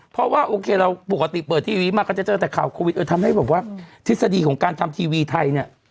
เพราะว่าโอเคเราปกติเปิดทีวีมาก็จะเจอแต่ข่าวโควิดเออทำให้แบบว่าทฤษฎีของการทำทีวีไทยเนี่ย